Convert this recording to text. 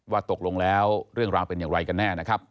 ว่าตกลงแล้วเรื่องราวเป็นอย่างไรกันแน่นะครับ